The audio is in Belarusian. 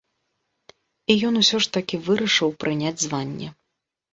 І ён усё ж такі вырашыў прыняць званне.